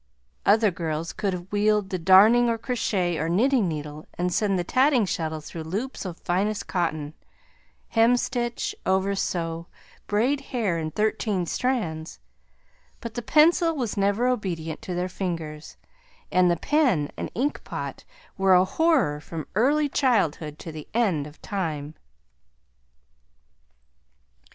Other girls could wield the darning or crochet or knitting needle, and send the tatting shuttle through loops of the finest cotton; hemstitch, oversew, braid hair in thirteen strands, but the pencil was never obedient in their fingers, and the pen and ink pot were a horror from early childhood to the end of time.